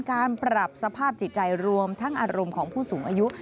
การปรับสภาพจิตใจรวมทั้งอารมณ์ของผู้สูงอายุ